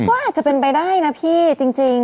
ก็อาจจะเป็นไปได้นะพี่จริง